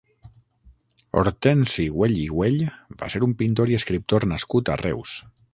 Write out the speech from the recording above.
Hortensi Güell i Güell va ser un pintor i escriptor nascut a Reus.